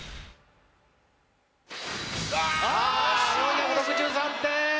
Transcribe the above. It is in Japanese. ４６３点！